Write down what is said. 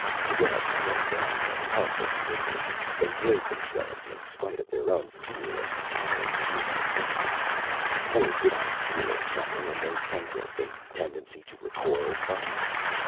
To get us pinned down and helpless quickly, they drove themselves in spite of their own fear of the horrid human forms. For did I feel a tremor in those tendrils, a tendency to recoil from me?